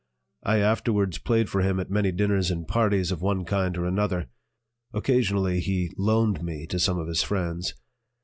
I afterwards played for him at many dinners and parties of one kind or another. Occasionally he "loaned" me to some of his friends.